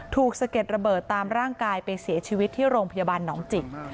สะเก็ดระเบิดตามร่างกายไปเสียชีวิตที่โรงพยาบาลหนองจิก